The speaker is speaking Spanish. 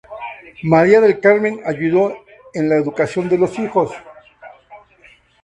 María del Carmen ayudó en la educación de los hijos.